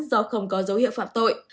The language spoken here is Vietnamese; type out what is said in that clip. do không có dấu hiệu phạm tội